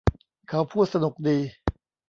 เขาพูดสนุกดี